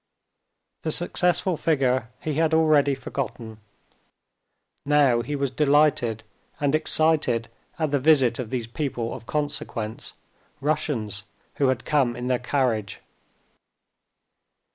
The successful figure he had already forgotten. Now he was delighted and excited at the visit of these people of consequence, Russians, who had come in their carriage.